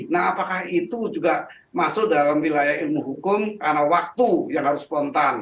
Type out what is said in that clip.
nah apakah itu juga masuk dalam wilayah ilmu hukum karena waktu yang harus spontan